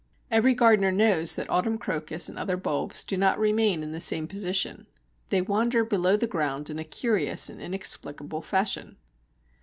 Every gardener knows that Autumn Crocus and other bulbs do not remain in the same position. They wander below ground in a curious and inexplicable fashion.